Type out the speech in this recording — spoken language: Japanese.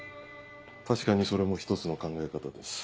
確かにそれも１つの考え方です。